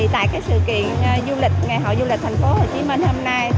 tại sự kiện ngày hội du lịch thành phố hồ chí minh hôm nay